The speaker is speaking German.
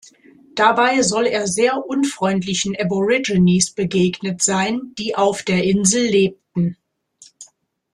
Dabei soll er sehr unfreundlichen Aborigines begegnet sein, die auf der Insel lebten.